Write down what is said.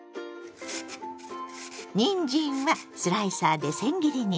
にんじんはスライサーでせん切りにします。